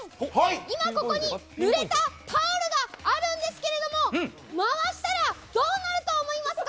今ここに、ぬれたタオルがあるんですけれども、回したらどうなると思いますか？